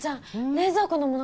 冷蔵庫のもの